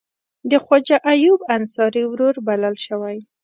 د خواجه ایوب انصاري ورور بلل شوی.